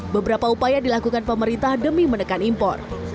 beberapa upaya dilakukan pemerintah demi menekan impor